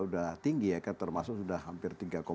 udah tinggi ya termasuk sudah hampir